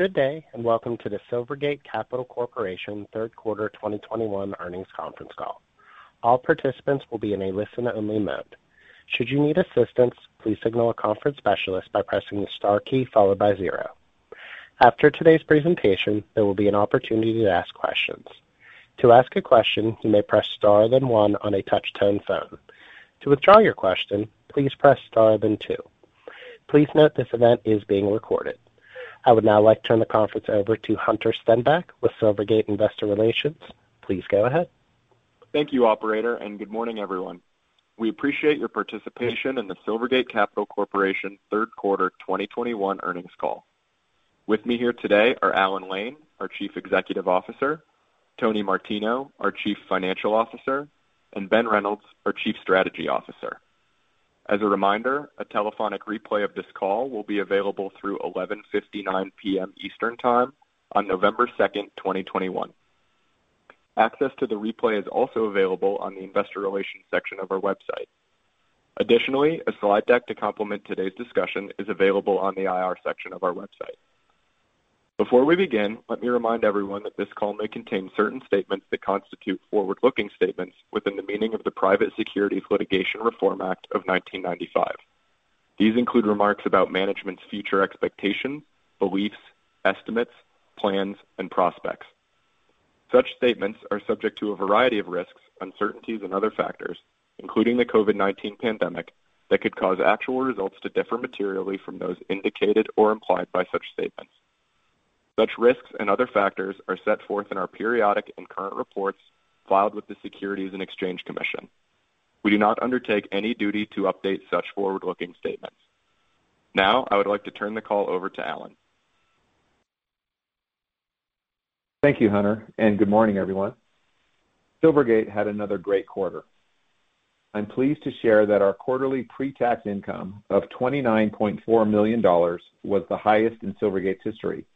Good day, welcome to the Silvergate Capital Corporation Third Quarter 2021 Earnings Conference Call. All participants will be in a listen-only mode. Should you need assistance, please signal a conference specialist by pressing the star key followed by zero. After today's presentation, there will be an opportunity to ask questions. To ask a question, you may press star then one on a touch-tone phone. To withdraw your question, please press star then two. Please note this event is being recorded. I would now like to turn the conference over to Hunter Stenback with Silvergate Investor Relations. Please go ahead. Thank you, operator, good morning, everyone. We appreciate your participation in the Silvergate Capital Corporation third quarter 2021 earnings call. With me here today are Alan Lane, our Chief Executive Officer, Antonio Martino, our Chief Financial Officer, and Ben Reynolds, our Chief Strategy Officer. As a reminder, a telephonic replay of this call will be available through 11:59 P.M. Eastern Time on November 2nd, 2021. Access to the replay is also available on the investor relations section of our website. Additionally, a slide deck to complement today's discussion is available on the IR section of our website. Before we begin, let me remind everyone that this call may contain certain statements that constitute forward-looking statements within the meaning of the Private Securities Litigation Reform Act of 1995. These includes remarks about managements future expectations, beliefs, estimates, plans and prospects. Such statements are subject to a variety of risks, uncertainties, and other factors, including the COVID-19 pandemic, that could cause actual results to differ materially from those indicated or implied by such statements. Such risks and other factors are set forth in our periodic and current reports filed with the Securities and Exchange Commission. We do not undertake any duty to update such forward-looking statements. Now, I would like to turn the call over to Alan. Thank you, Hunter. Good morning, everyone. Silvergate had another great quarter. I'm pleased to share that our quarterly pre-tax income of $29.4 million was the highest in Silvergate's history,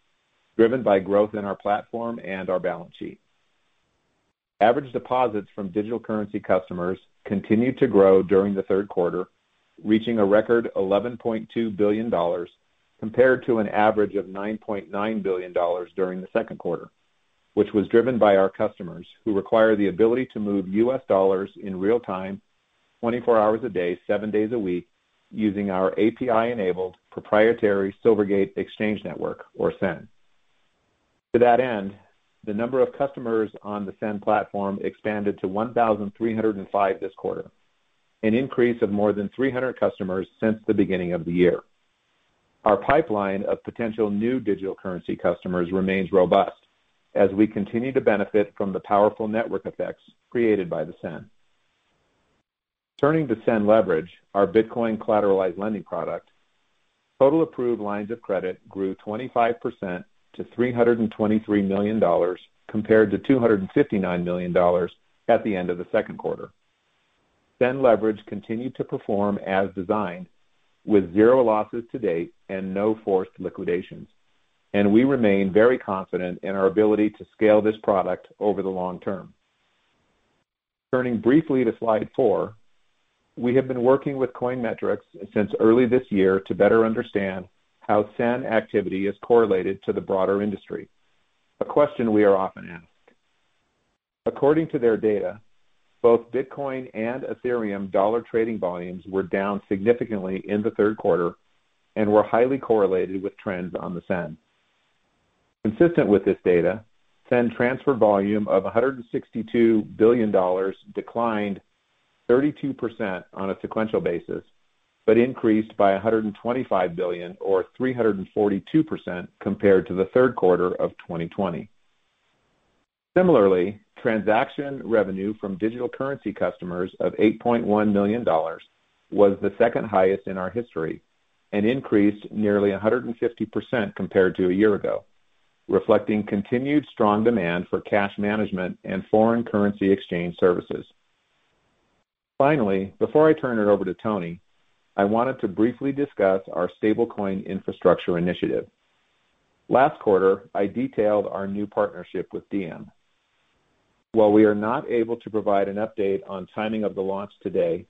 driven by growth in our platform and our balance sheet. Average deposits from digital currency customers continued to grow during the third quarter, reaching a record $11.2 billion, compared to an average of $9.9 billion during the second quarter, which was driven by our customers who require the ability to move US dollars in real time, 24 hours a day, 7 days a week, using our API-enabled proprietary Silvergate Exchange Network, or SEN. To that end, the number of customers on the SEN platform expanded to 1,305 this quarter, an increase of more than 300 customers since the beginning of the year. Our pipeline of potential new digital currency customers remains robust as we continue to benefit from the powerful network effects created by the SEN. Turning to SEN Leverage, our Bitcoin collateralized lending product, total approved lines of credit grew 25% to $323 million, compared to $259 million at the end of the second quarter. SEN Leverage continued to perform as designed with zero losses to date and no forced liquidations, and we remain very confident in our ability to scale this product over the long term. Turning briefly to slide four, we have been working with Coin Metrics since early this year to better understand how SEN activity is correlated to the broader industry, a question we are often asked. According to their data, both Bitcoin and Ethereum dollar trading volumes were down significantly in the third quarter and were highly correlated with trends on the SEN. Consistent with this data, SEN transfer volume of $162 billion declined 32% on a sequential basis, but increased by $125 billion or 342% compared to the third quarter of 2020. Similarly, transaction revenue from digital currency customers of $8.1 million was the second highest in our history and increased nearly 150% compared to a year ago, reflecting continued strong demand for cash management and foreign currency exchange services. Finally, before I turn it over to Tony, I wanted to briefly discuss our stablecoin infrastructure initiative. Last quarter, I detailed our new partnership with Diem. While we are not able to provide an update on timing of the launch today,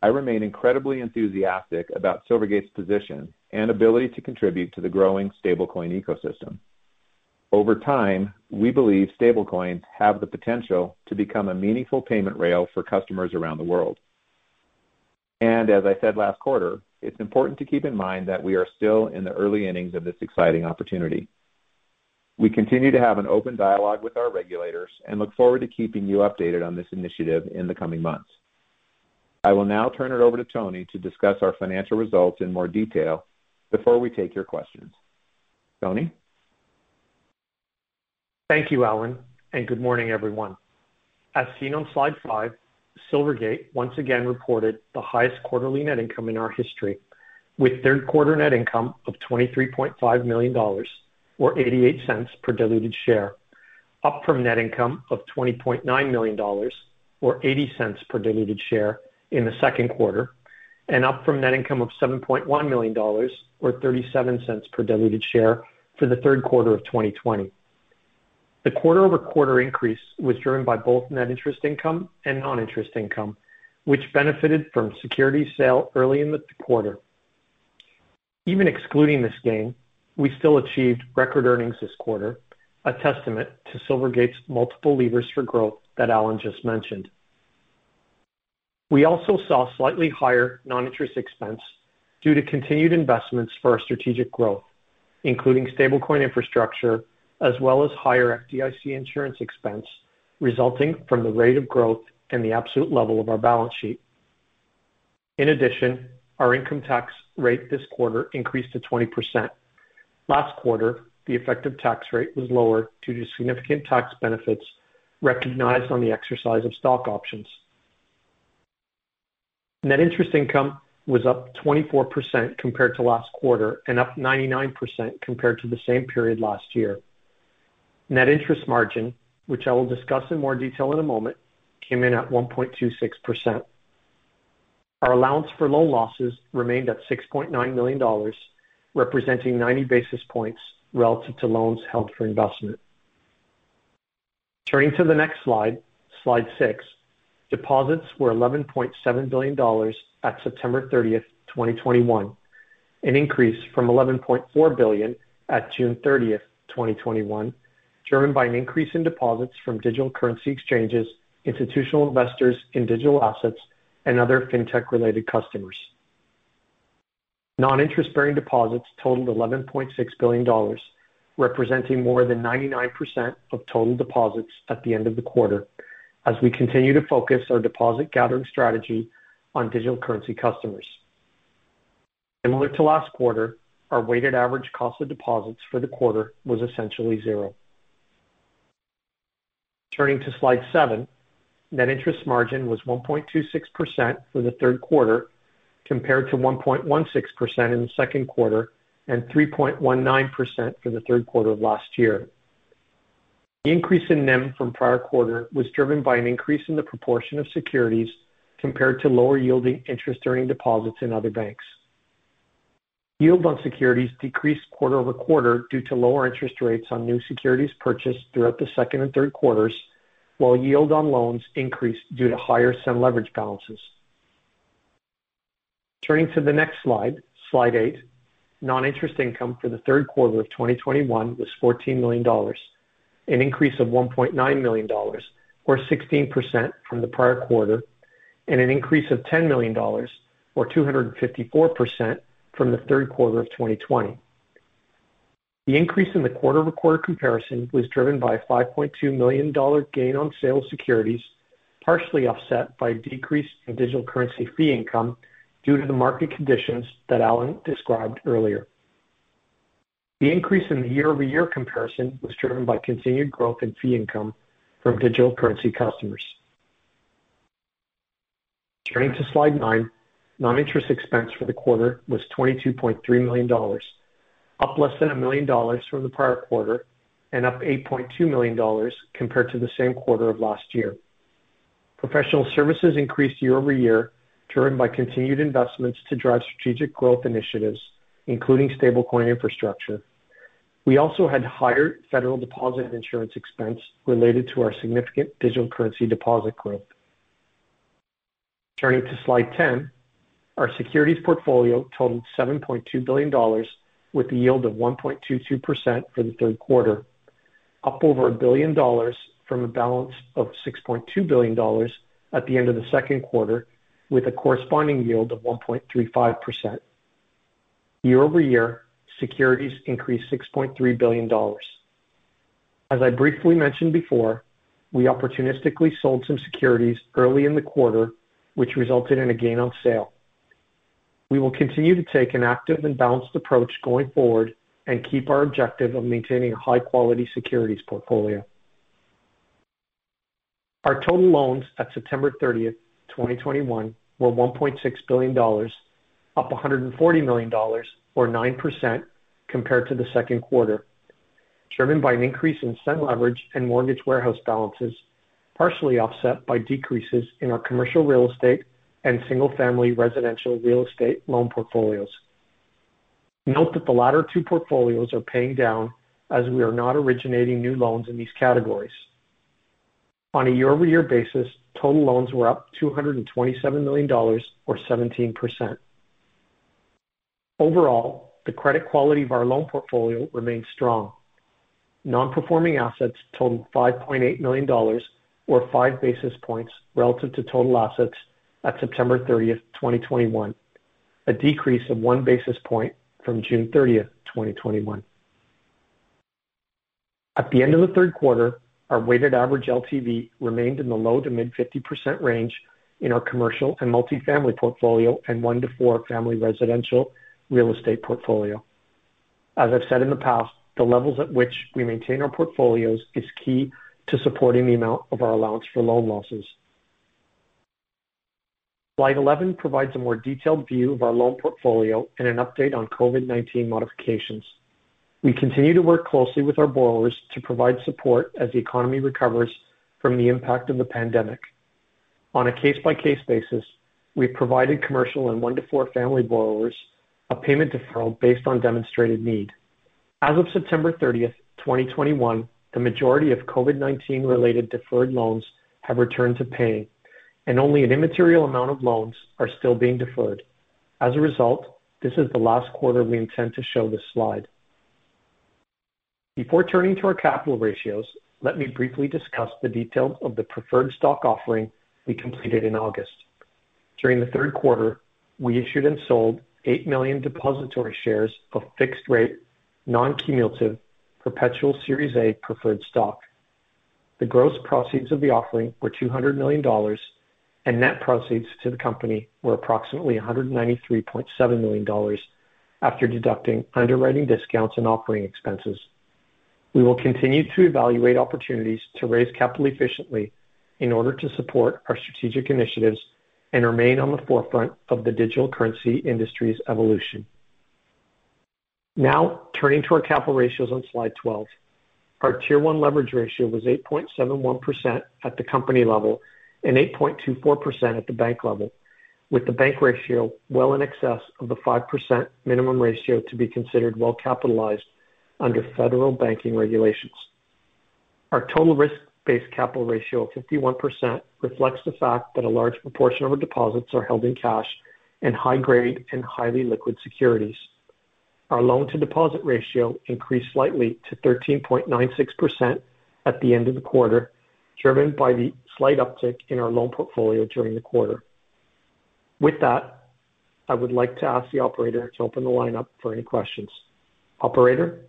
I remain incredibly enthusiastic about Silvergate's position and ability to contribute to the growing stablecoin ecosystem. Over time, we believe stablecoin have the potential to become a meaningful payment rail for customers around the world. As I said last quarter, it's important to keep in mind that we are still in the early innings of this exciting opportunity. We continue to have an open dialogue with our regulators and look forward to keeping you updated on this initiative in the coming months. I will now turn it over to Tony to discuss our financial results in more detail before we take your questions. Tony? Thank you, Alan, and good morning, everyone. As seen on slide five, Silvergate once again reported the highest quarterly net income in our history with third quarter net income of $23.5 million, or $0.88 per diluted share, up from net income of $20.9 million or $0.80 per diluted share in the second quarter, and up from net income of $7.1 million or $0.37 per diluted share for the third quarter of 2020. The quarter-over-quarter increase was driven by both Net Interest Income and Non-Interest Income, which benefited from a securities sale early in the quarter. Even excluding this gain, we still achieved record earnings this quarter, a testament to Silvergate's multiple levers for growth that Alan just mentioned. We also saw slightly higher non-interest expense due to continued investments for our strategic growth, including stablecoin infrastructure, as well as higher FDIC insurance expense resulting from the rate of growth and the absolute level of our balance sheet. Our income tax rate this quarter increased to 20%. Last quarter, the effective tax rate was lower due to significant tax benefits recognized on the exercise of stock options. Net Interest Income was up 24% compared to last quarter and up 99% compared to the same period last year. Net Interest Margin, which I will discuss in more detail in a moment, came in at 1.26%. Our allowance for loan losses remained at $6.9 million, representing 90 basis points relative to loans held for investment. Turning to the next slide six. Deposits were $11.7 billion at September 30th, 2021, an increase from $11.4 billion at June 30th, 2021, driven by an increase in deposits from digital currency exchanges, institutional investors in digital assets, and other fintech-related customers. Non-interest-bearing deposits totaled $11.6 billion, representing more than 99% of total deposits at the end of the quarter, as we continue to focus our deposit gathering strategy on digital currency customers. Similar to last quarter, our weighted average cost of deposits for the quarter was essentially zero. Turning to slide seven. Net interest margin was 1.26% for the third quarter, compared to 1.16% in the second quarter and 3.19% for the third quarter of last year. The increase in NIM from the prior quarter was driven by an increase in the proportion of securities compared to lower yielding interest-earning deposits in other banks. Yield on securities decreased quarter-over-quarter due to lower interest rates on new securities purchased throughout the second and third quarters, while yield on loans increased due to higher SEN Leverage balances. Turning to the next slide, slide eight. Non-Interest Income for the third quarter of 2021 was $14 million, an increase of $1.9 million or 16% from the prior quarter, and an increase of $10 million or 254% from the third quarter of 2020. The increase in the quarter-over-quarter comparison was driven by a $5.2 million gain on sale of securities, partially offset by a decrease in digital currency fee income due to the market conditions that Alan Lane described earlier. The increase in the year-over-year comparison was driven by continued growth in fee income from digital currency customers. Turning to slide nine. Non-interest expense for the quarter was $22.3 million, up less than $1 million from the prior quarter and up $8.2 million compared to the same quarter of last year. Professional services increased year-over-year, driven by continued investments to drive strategic growth initiatives, including stablecoin infrastructure. We also had higher Federal Deposit Insurance expense related to our significant digital currency deposit growth. Turning to slide 10. Our securities portfolio totaled $7.2 billion with a yield of 1.22% for the third quarter, up over $1 billion from a balance of $6.2 billion at the end of the second quarter with a corresponding yield of 1.35%. Year-over-year, securities increased $6.3 billion. As I briefly mentioned before, we opportunistically sold some securities early in the quarter, which resulted in a gain on sale. We will continue to take an active and balanced approach going forward and keep our objective of maintaining a high-quality securities portfolio. Our total loans at September 30th, 2021, were $1.6 billion, up $140 million or 9% compared to the second quarter, driven by an increase in SEN Leverage and mortgage warehouse balances, partially offset by decreases in our commercial real estate and single-family residential real estate loan portfolios. Note that the latter two portfolios are paying down as we are not originating new loans in these categories. On a year-over-year basis, total loans were up $227 million or 17%. Overall, the credit quality of our loan portfolio remains strong. Non-performing assets totaled $5.8 million or 5 basis points relative to total assets at September 30th, 2021, a decrease of 1 basis point from June 30th, 2021. At the end of the third quarter, our weighted average LTV remained in the low to mid 50% range in our commercial and multifamily portfolio and one to four family residential real estate portfolio. As I've said in the past, the levels at which we maintain our portfolios is key to supporting the amount of our allowance for loan losses. Slide 11 provides a more detailed view of our loan portfolio and an update on COVID-19 modifications. We continue to work closely with our borrowers to provide support as the economy recovers from the impact of the pandemic. On a case-by-case basis, we've provided commercial and one to four family borrowers a payment deferral based on demonstrated need. As of September 30th, 2021, the majority of COVID-19 related deferred loans have returned to paying, and only an immaterial amount of loans are still being deferred. As a result, this is the last quarter we intend to show this slide. Before turning to our capital ratios, let me briefly discuss the details of the preferred stock offering we completed in August. During the third quarter, we issued and sold 8 million depository shares of fixed rate non-cumulative perpetual Series A preferred stock. The gross proceeds of the offering were $200 million, and net proceeds to the company were approximately $193.7 million after deducting underwriting discounts and offering expenses. We will continue to evaluate opportunities to raise capital efficiently in order to support our strategic initiatives and remain on the forefront of the digital currency industry's evolution. Now turning to our capital ratios on slide 12. Our Tier 1 leverage ratio was 8.71% at the company level and 8.24% at the bank level, with the bank ratio well in excess of the 5% minimum ratio to be considered well-capitalized under federal banking regulations. Our total risk-based capital ratio of 51% reflects the fact that a large proportion of our deposits are held in cash and high grade and highly liquid securities. Our loan to deposit ratio increased slightly to 13.96% at the end of the quarter, driven by the slight uptick in our loan portfolio during the quarter. With that, I would like to ask the operator to open the lineup for any questions. Operator?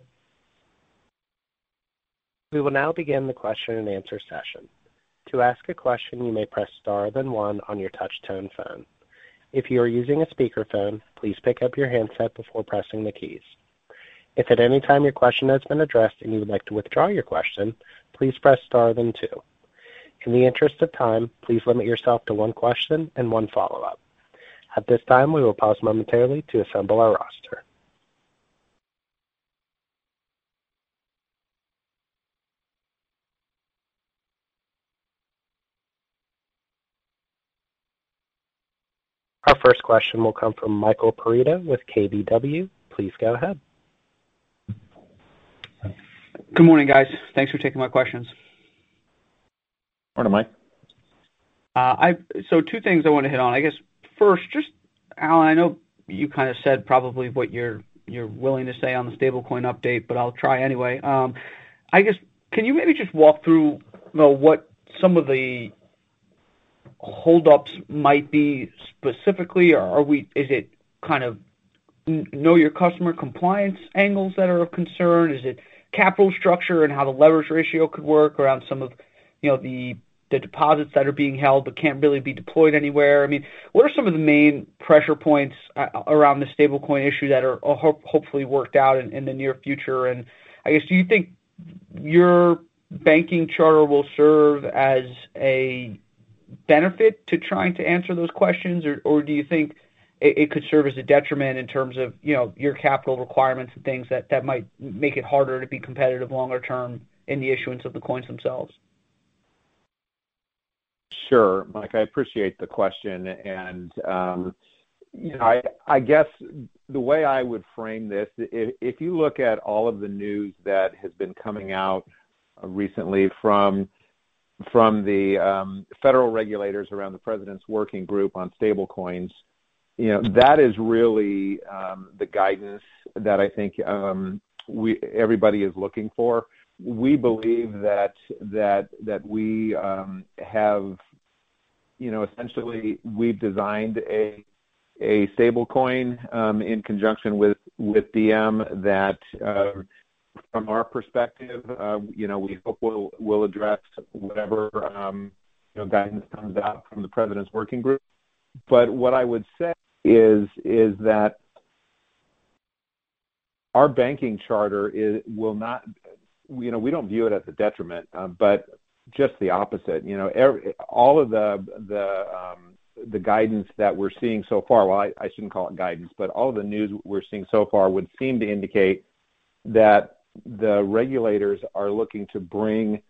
We will now begin the question and answer session. To ask a question, you may press star, then one on your touchtone phone. If you are using a speakerphone, please pick up your handset before pressing the keys. If at any time your question has been addressed and you would like to withdraw your question, please press star then two. In the interest of time, please limit yourself to one question and one follow-up. At this time, we will pause momentarily to assemble our roster. Our first question will come from Michael Perito with KBW. Please go ahead. Good morning, guys. Thanks for taking my questions. Morning, Mike. Two things I want to hit on. First, just Alan, I know you kind of said probably what you're willing to say on the stablecoin update, but I'll try anyway. Can you maybe just walk through what some of the holdups might be specifically? Is it kind of know your customer compliance angles that are of concern? Is it capital structure and how the leverage ratio could work around some of the deposits that are being held but can't really be deployed anywhere? What are some of the main pressure points around the stablecoin issue that are hopefully worked out in the near future? Do you think your banking charter will serve as a benefit to trying to answer those questions? Do you think it could serve as a detriment in terms of your capital requirements and things that might make it harder to be competitive longer term in the issuance of the coins themselves? Sure. Mike, I appreciate the question. I guess the way I would frame this, if you look at all of the news that has been coming out recently from the federal regulators around the President's Working Group on stablecoins, that is really the guidance that I think everybody is looking for. We believe that essentially we've designed a stablecoin in conjunction with Diem that from our perspective we hope will address whatever guidance comes out from the President's Working Group. What I would say is that our banking charter, we don't view it as a detriment but just the opposite. All of the guidance that we're seeing so far, well, I shouldn't call it guidance, but all the news we're seeing so far would seem to indicate that the regulators are looking to bring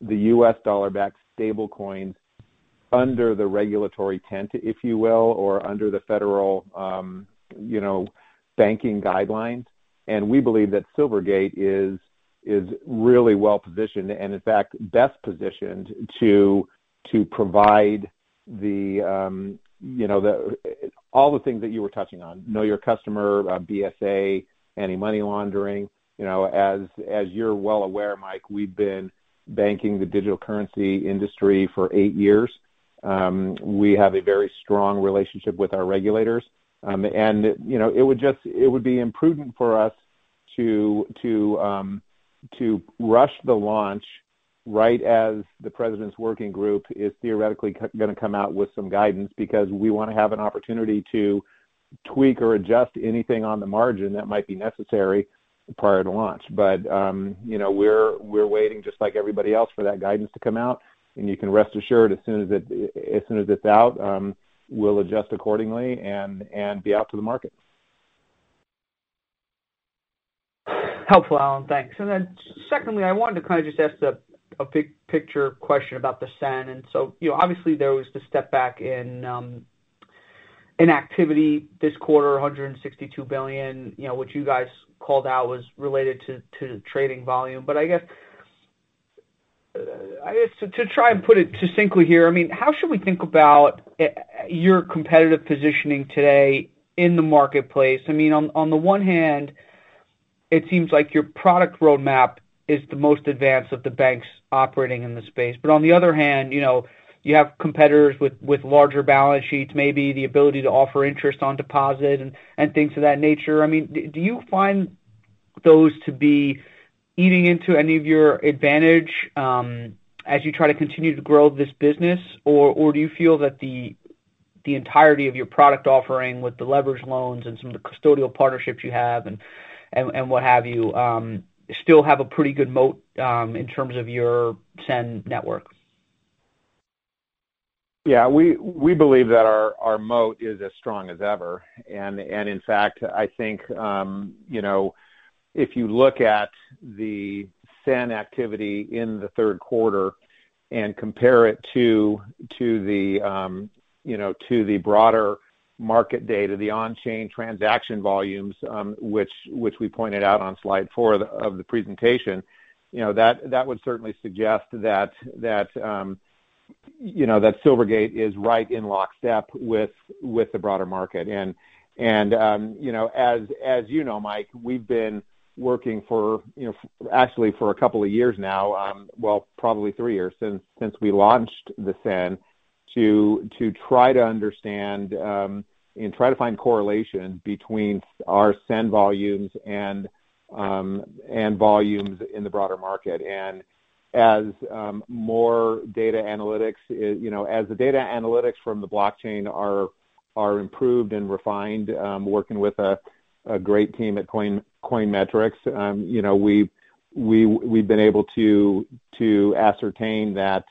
the U.S. dollar-backed stablecoins under the regulatory tent, if you will, or under the federal banking guidelines. We believe that Silvergate is really well-positioned and in fact, best positioned to provide all the things that you were touching on. Know your customer, BSA, anti-money laundering. As you're well aware, Mike, we've been banking the digital currency industry for eight years. We have a very strong relationship with our regulators. It would be imprudent for us to rush the launch right as the President's Working Group is theoretically going to come out with some guidance because we want to have an opportunity to tweak or adjust anything on the margin that might be necessary prior to launch. We're waiting just like everybody else for that guidance to come out. You can rest assured as soon as it's out, we'll adjust accordingly and be out to the market. Helpful, Alan. Thanks. Secondly, I wanted to just ask a big picture question about the SEN. Obviously there was the step back in activity this quarter, $162 billion, which you guys called out was related to trading volume. I guess to try and put it succinctly here, how should we think about your competitive positioning today in the marketplace? On the one hand, it seems like your product roadmap is the most advanced of the banks operating in the space, but on the other hand, you have competitors with larger balance sheets, maybe the ability to offer interest on deposit and things of that nature. Do you find those to be eating into any of your advantage as you try to continue to grow this business? Do you feel that the entirety of your product offering with the leverage loans and some of the custodial partnerships you have, and what have you, still have a pretty good moat in terms of your SEN Network? Yeah, we believe that our moat is as strong as ever. In fact, I think, if you look at the SEN activity in the third quarter and compare it to the broader market data, the on-chain transaction volumes, which we pointed out on slide four of the presentation, that would certainly suggest that Silvergate is right in lockstep with the broader market. As you know, Mike, we've been working for actually for a couple of years now, well, probably three years since we launched the SEN, to try to understand, and try to find correlation between our SEN volumes and volumes in the broader market. As the data analytics from the blockchain are improved and refined, working with a great team at Coin Metrics, we've been able to ascertain that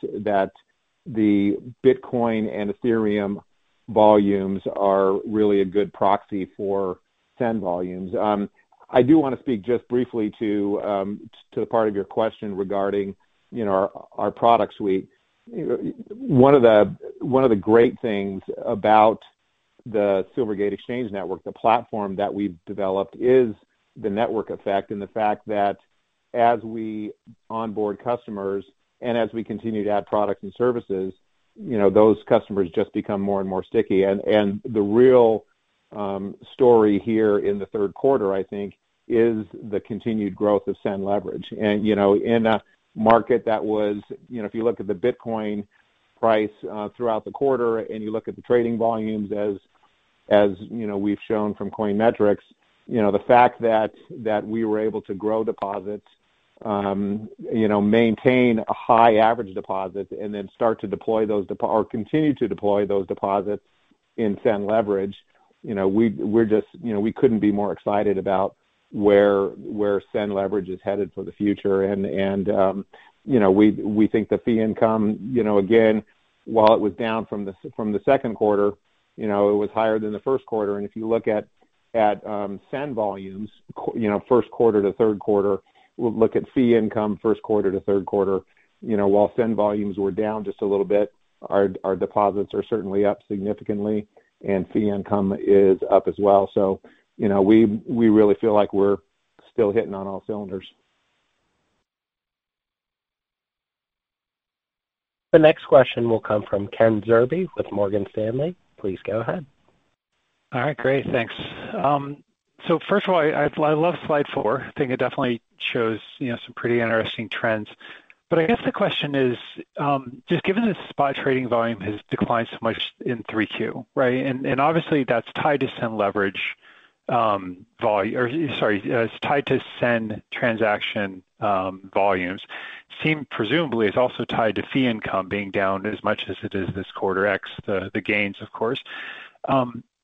the Bitcoin and Ethereum volumes are really a good proxy for SEN volumes. I do want to speak just briefly to the part of your question regarding our product suite. One of the great things about the Silvergate Exchange Network, the platform that we've developed, is the network effect, and the fact that as we onboard customers and as we continue to add products and services, those customers just become more and more sticky. The real story here in the third quarter, I think, is the continued growth of SEN Leverage. In a market that was, if you look at the Bitcoin price throughout the quarter, and you look at the trading volumes as we've shown from Coin Metrics, the fact that we were able to grow deposits, maintain high average deposits, then start to deploy those or continue to deploy those deposits in SEN Leverage, we couldn't be more excited about where SEN Leverage is headed for the future. We think the fee income, again, while it was down from the second quarter, it was higher than the first quarter. If you look at SEN volumes, first quarter to third quarter, look at fee income first quarter to third quarter, while SEN volumes were down just a little bit, our deposits are certainly up significantly, and fee income is up as well. We really feel like we're still hitting on all cylinders. The next question will come from Ken Zerbe with Morgan Stanley. Please go ahead. All right, great. Thanks. First of all, I love slide four. I guess the question is, just given the spot trading volume has declined so much in Q3, right? Obviously, that's tied to SEN Leverage or sorry, it's tied to SEN transaction volumes. Presumably, it's also tied to fee income being down as much as it is this quarter x the gains, of course.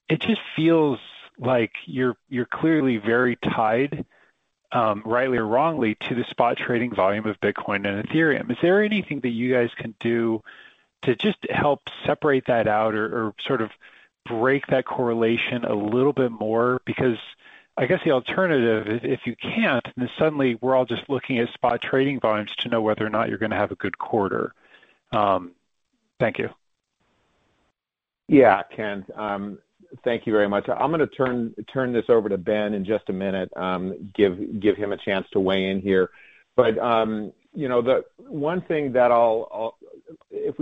It just feels like you're clearly very tied, rightly or wrongly, to the spot trading volume of Bitcoin and Ethereum. Is there anything that you guys can do to just help separate that out or sort of break that correlation a little bit more? I guess the alternative is if you can't, then suddenly we're all just looking at spot trading volumes to know whether or not you're going to have a good quarter. Thank you. Yeah, Ken. Thank you very much. I'm going to turn this over to Ben in just a minute, give him a chance to weigh in here. The one thing that if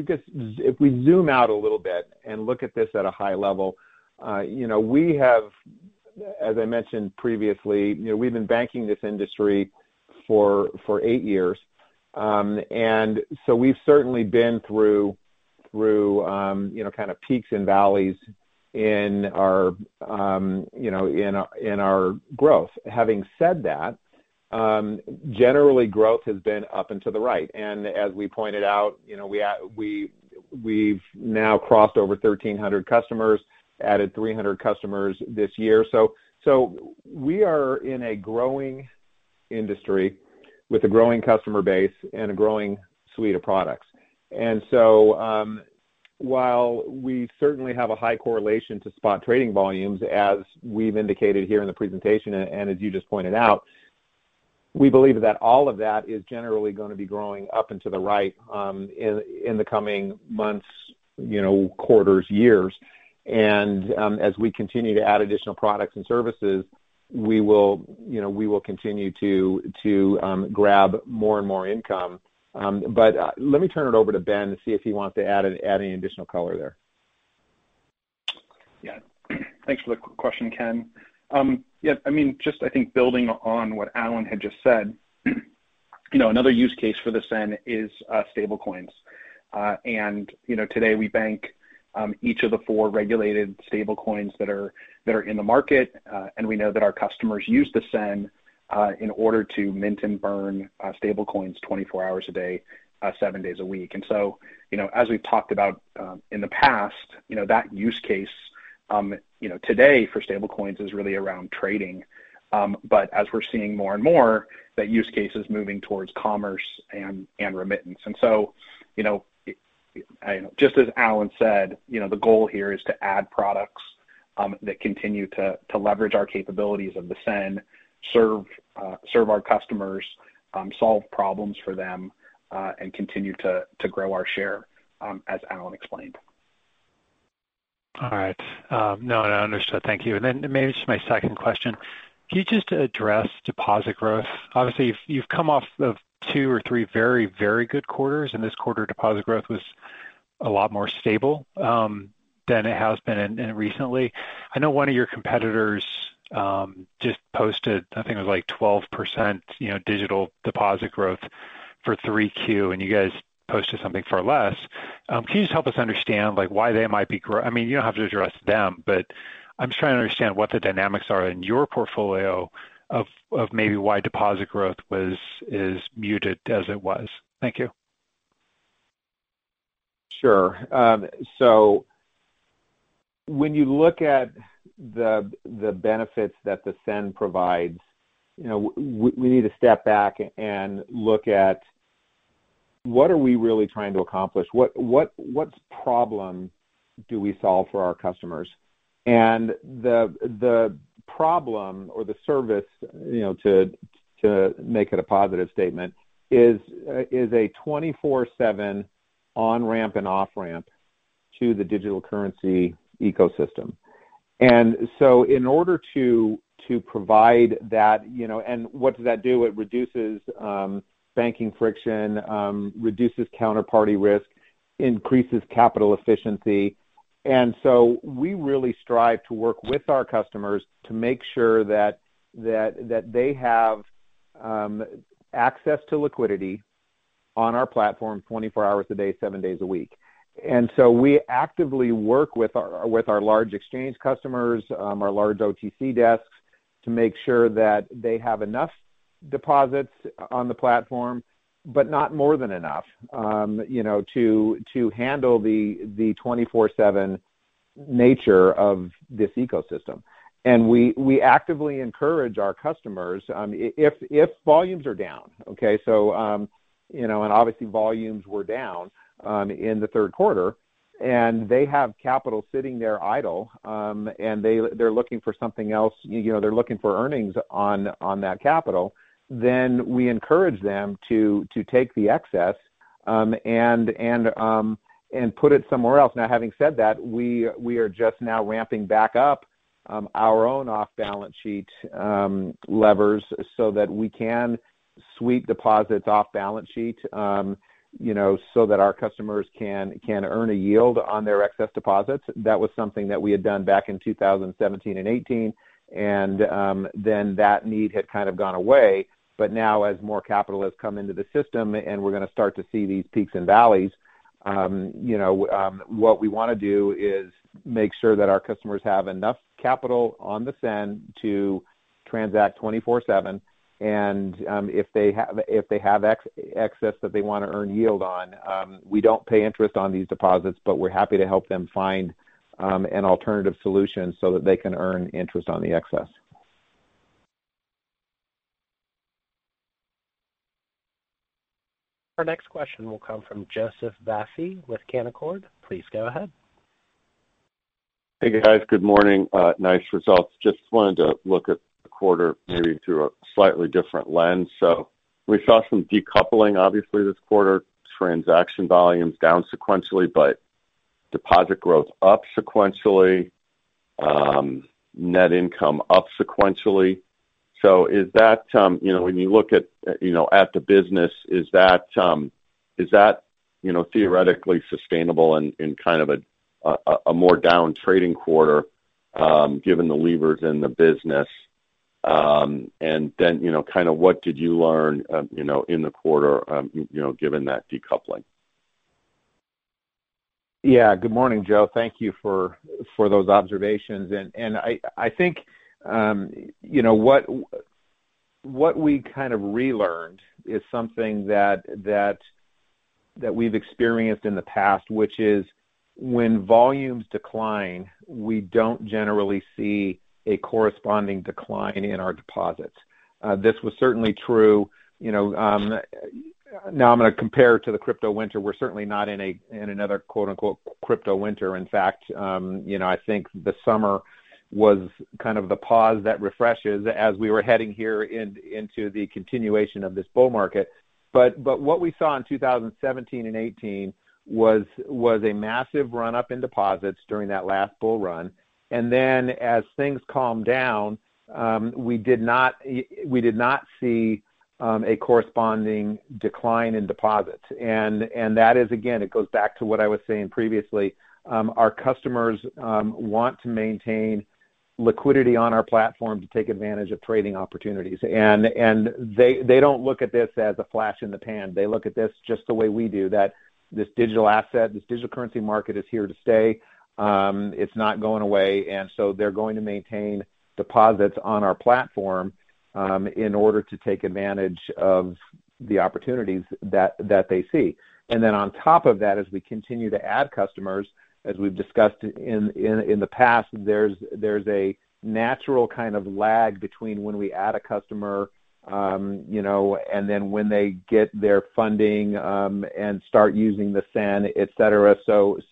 we zoom out a little bit and look at this at a high level, we have, as I mentioned previously, we've been banking this industry for eight years. We've certainly been through kind of peaks and valleys in our growth. Having said that, generally, growth has been up and to the right. As we pointed out, we've now crossed over 1,300 customers, added 300 customers this year. We are in a growing industry with a growing customer base and a growing suite of products. While we certainly have a high correlation to spot trading volumes, as we've indicated here in the presentation, and as you just pointed out, we believe that all of that is generally going to be growing up into the right in the coming months, quarters, years. As we continue to add additional products and services, we will continue to grab more and more income. Let me turn it over to Ben to see if he wants to add any additional color there. Yeah. Thanks for the question, Ken. Yeah, just I think building on what Alan had just said, another use case for the SEN is stablecoins. Today we bank each of the four regulated stablecoins that are in the market. We know that our customers use the SEN in order to mint and burn stablecoins 24 hours a day, seven days a week. As we've talked about in the past, that use case today for stablecoins is really around trading. As we're seeing more and more, that use case is moving towards commerce and remittance. Just as Alan said, the goal here is to add products that continue to leverage our capabilities of the SEN, serve our customers, solve problems for them, and continue to grow our share, as Alan explained. All right. Now, I understood. Thank you. Then maybe just my second question. Can you just address deposit growth? Obviously, you've come off of two or three very good quarters, and this quarter, deposit growth was a lot more stable than it has been recently. I know one of your competitors just posted, I think it was like 12% digital deposit growth for Q3, and you guys posted something for less. Can you just help us understand why they might be? You don't have to address them, but I'm just trying to understand what the dynamics are in your portfolio of maybe why deposit growth was as muted as it was. Thank you. Sure. When you look at the benefits that the SEN provides, we need to step back and look at what are we really trying to accomplish. What problem do we solve for our customers? The problem or the service, to make it a positive statement, is a 24/7 on-ramp and off-ramp to the digital currency ecosystem. In order to provide that, and what does that do? It reduces banking friction, reduces counterparty risk, increases capital efficiency. We really strive to work with our customers to make sure that they have access to liquidity on our platform 24 hours a day, seven days a week. We actively work with our large exchange customers, our large OTC desks to make sure that they have enough deposits on the platform, but not more than enough to handle the 24/7 nature of this ecosystem. We actively encourage our customers, if volumes are down, okay, and obviously volumes were down in the third quarter, and they have capital sitting there idle, and they're looking for something else, they're looking for earnings on that capital, then we encourage them to take the excess and put it somewhere else. Having said that, we are just now ramping back up our own off-balance sheet levers so that we can sweep deposits off balance sheet so that our customers can earn a yield on their excess deposits. That was something that we had done back in 2017 and 2018. Then that need had kind of gone away. Now as more capital has come into the system, and we're going to start to see these peaks and valleys, what we want to do is make sure that our customers have enough capital on the SEN to transact 24/7. If they have excess that they want to earn yield on, we don't pay interest on these deposits, but we're happy to help them find an alternative solution so that they can earn interest on the excess. Our next question will come from Joseph Vafi with Canaccord Genuity. Please go ahead. Hey, guys. Good morning. Nice results. Just wanted to look at the quarter maybe through a slightly different lens. We saw some decoupling, obviously, this quarter. Transaction volumes down sequentially, but deposit growth up sequentially, net income up sequentially. When you look at the business, is that theoretically sustainable in kind of a more down trading quarter given the levers in the business? kind of what did you learn in the quarter given that decoupling? Yeah. Good morning, Joe. Thank you for those observations. I think what we kind of relearned is something that we've experienced in the past, which is when volumes decline, we don't generally see a corresponding decline in our deposits. This was certainly true. Now I'm going to compare to the crypto winter. We're certainly not in another "crypto winter." In fact, I think the summer was kind of the pause that refreshes as we were heading here into the continuation of this bull market. What we saw in 2017 and 2018 was a massive run-up in deposits during that last bull run. As things calmed down, we did not see a corresponding decline in deposits. That is, again, it goes back to what I was saying previously. Our customers want to maintain liquidity on our platform to take advantage of trading opportunities. They don't look at this as a flash in the pan. They look at this just the way we do, that this digital asset, this digital currency market is here to stay. It's not going away. They're going to maintain deposits on our platform in order to take advantage of the opportunities that they see. On top of that, as we continue to add customers, as we've discussed in the past, there's a natural kind of lag between when we add a customer, and then when they get their funding and start using the SEN, etc.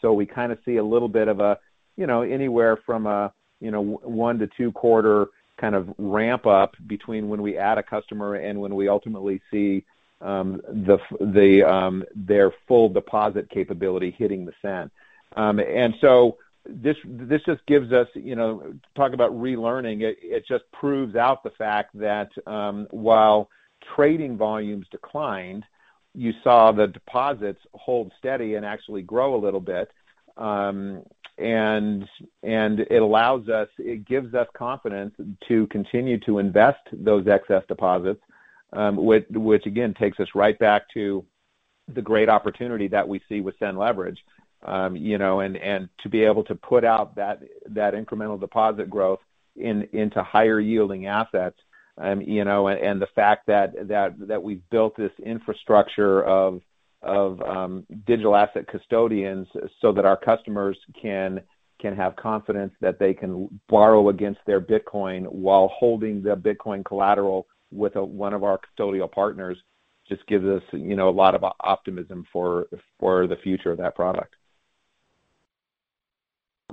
We kind of see a little bit of, anywhere from a one to two-quarter kind of ramp-up between when we add a customer and when we ultimately see their full deposit capability hitting the SEN. This just gives us. It just proves out the fact that while trading volumes declined, you saw the deposits hold steady and actually grow a little bit. It gives us confidence to continue to invest those excess deposits, which again takes us right back to the great opportunity that we see with SEN Leverage, and to be able to put out that incremental deposit growth into higher-yielding assets. The fact that we've built this infrastructure of digital asset custodians so that our customers can have confidence that they can borrow against their Bitcoin while holding the Bitcoin collateral with one of our custodial partners just gives us a lot of optimism for the future of that product.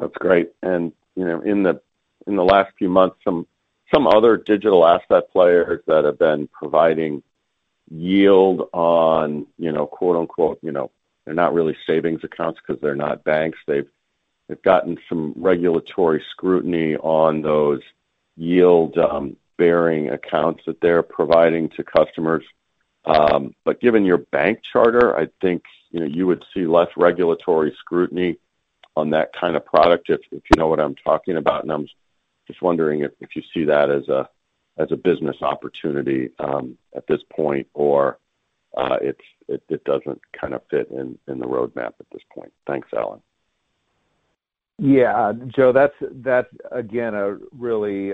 That's great. In the last few months, some other digital asset players that have been providing yield on, quote-unquote, they're not really savings accounts because they're not banks. They've gotten some regulatory scrutiny on those yield-bearing accounts that they're providing to customers. Given your bank charter, I think you would see less regulatory scrutiny on that kind of product, if you know what I'm talking about. I'm just wondering if you see that as a business opportunity at this point, or it doesn't kind of fit in the roadmap at this point. Thanks, Alan. Yeah. Joe, that's, again, a really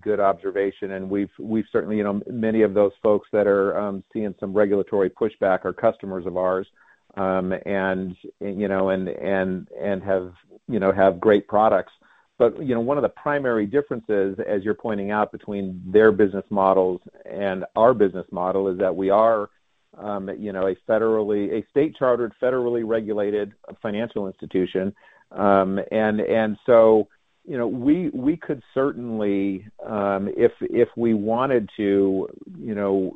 good observation. We've certainly, many of those folks that are seeing some regulatory pushback are customers of ours, and have great products. One of the primary differences, as you're pointing out, between their business models and our business model is that we are a state-chartered, federally regulated financial institution. We could certainly, if we wanted to,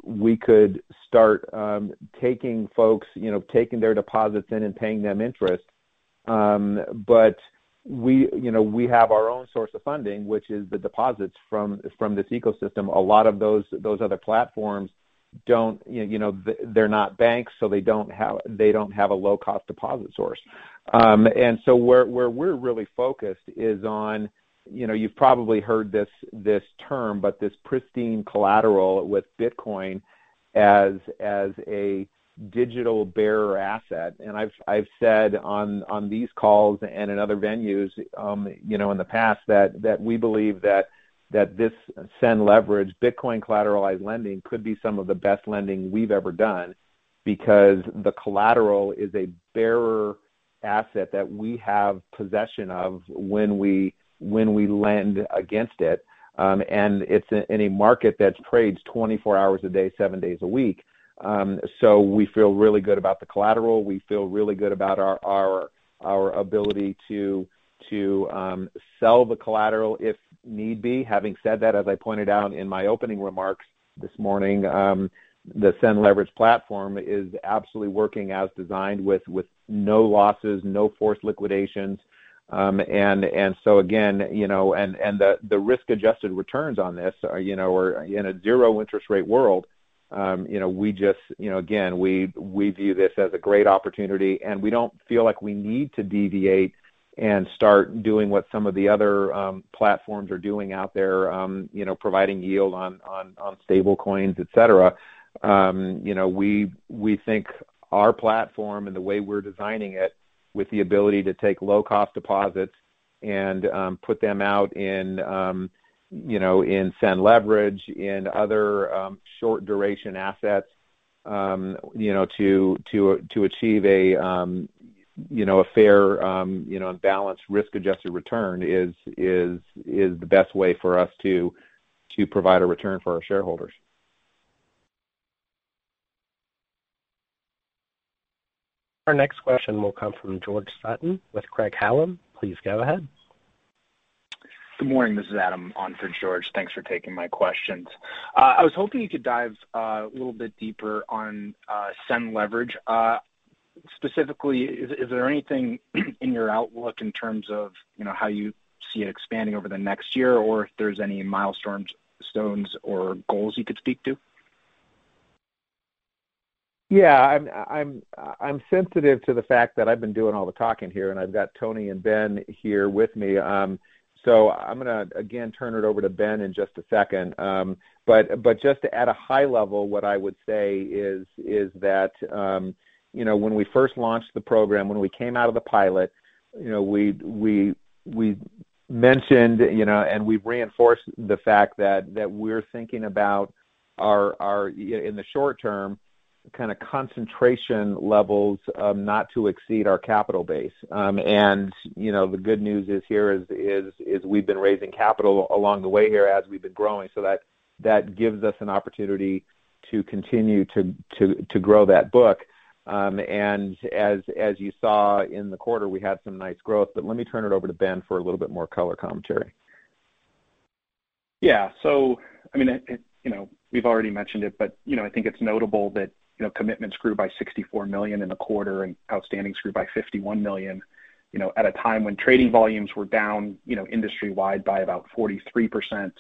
we could start taking folks, taking their deposits in and paying them interest. We have our own source of funding, which is the deposits from this ecosystem. A lot of those other platforms, they're not banks, so they don't have a low-cost deposit source. Where we're really focused is on, you've probably heard this term, but this pristine collateral with Bitcoin as a digital bearer asset. I've said on these calls and in other venues, in the past, that we believe that this SEN Leverage, Bitcoin collateralized lending could be some of the best lending we've ever done because the collateral is a bearer asset that we have possession of when we lend against it. It's in a market that trades 24 hours a day, seven days a week. We feel really good about the collateral. We feel really good about our ability to sell the collateral if need be. Having said that, as I pointed out in my opening remarks this morning, the SEN Leverage platform is absolutely working as designed with no losses, no forced liquidations. Again, the risk-adjusted returns on this are in a zero-interest rate world. Again, we view this as a great opportunity, and we don't feel like we need to deviate and start doing what some of the other platforms are doing out there, providing yield on stablecoins, etc. We think our platform and the way we're designing it with the ability to take low-cost deposits and put them out in SEN Leverage, in other short-duration assets, to achieve a fair and balanced risk-adjusted return is the best way for us to provide a return for our shareholders. Our next question will come from George Sutton with Craig-Hallum. Please go ahead. Good morning. This is Adam on for George. Thanks for taking my questions. I was hoping you could dive a little bit deeper on SEN Leverage. Specifically, is there anything in your outlook in terms of how you see it expanding over the next year, or if there's any milestones or goals you could speak to? I'm sensitive to the fact that I've been doing all the talking here, and I've got Tony and Ben here with me. I'm going to, again, turn it over to Ben in just a second. Just at a high level, what I would say is that when we first launched the program, when we came out of the pilot, we mentioned and we've reinforced the fact that we're thinking about our, in the short term, kind of concentration levels not to exceed our capital base. The good news here is we've been raising capital along the way here as we've been growing. That gives us an opportunity to continue to grow that book. As you saw in the quarter, we had some nice growth. Let me turn it over to Ben for a little bit more color commentary. Yeah. We've already mentioned it, but I think it's notable that commitments grew by $64 million in the quarter and outstandings grew by $51 million, at a time when trading volumes were down industry-wide by about 43%,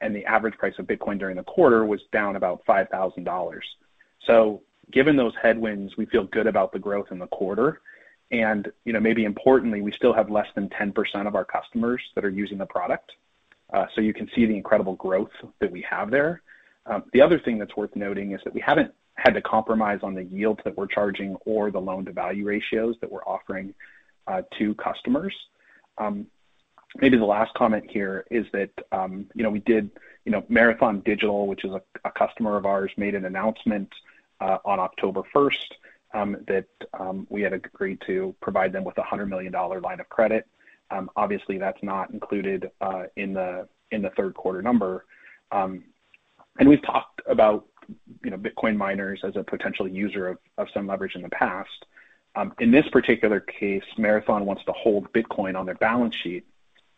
and the average price of Bitcoin during the quarter was down about $5,000. Given those headwinds, we feel good about the growth in the quarter. Maybe importantly, we still have less than 10% of our customers that are using the product. You can see the incredible growth that we have there. The other thing that's worth noting is that we haven't had to compromise on the yields that we're charging or the loan-to-value ratios that we're offering to customers. Maybe the last comment here is that we did, Marathon Digital, which is a customer of ours, made an announcement on October 1st that we had agreed to provide them with a $100 million line of credit. Obviously, that's not included in the third quarter number. We've talked about Bitcoin miners as a potential user of some leverage in the past. In this particular case, Marathon wants to hold Bitcoin on their balance sheet.